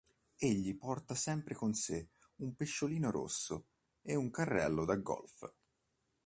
Egli porta sempre con sé un pesciolino rosso e un carrello da golf.